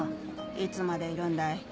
いつまでいるんだい？